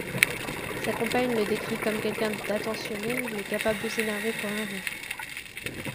Sa compagne le décrit comme quelqu'un d'attentionné mais capable de s'énerver pour un rien.